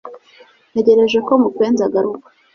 Ntegereje ko mupenzi agaruka